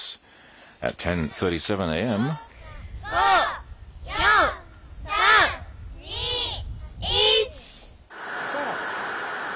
７、６、５、４、３、２、１。